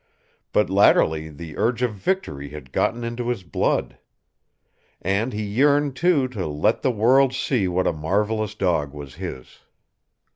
But latterly the urge of victory had gotten into his blood. And he yearned, too, to let the world see what a marvelous dog was his.